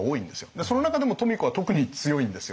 でその中でも富子は特に強いんですよね。